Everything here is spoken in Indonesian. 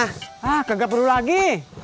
hah nggak perlu lagi